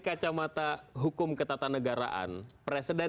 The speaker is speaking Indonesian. kacamata hukum ketatanegaraan presiden